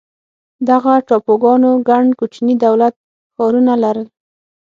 دغه ټاپوګانو ګڼ کوچني دولت ښارونه لرل.